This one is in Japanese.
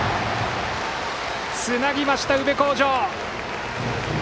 つなぎました、宇部鴻城！